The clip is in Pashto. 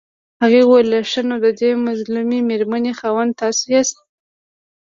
هغې وويل ښه نو ددې مظلومې مېرمنې خاوند تاسو ياست.